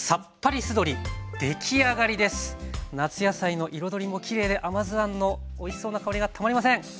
夏野菜の彩りもきれいで甘酢あんのおいしそうな香りがたまりません！